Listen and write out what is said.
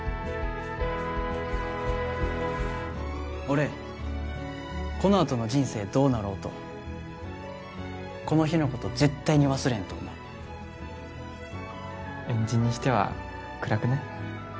俺このあとの人生どうなろうとこの日のこと絶対に忘れんと思う円陣にしては暗くない？